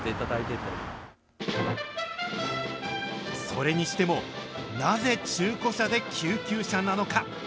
それにしても、なぜ中古車で救急車なのか。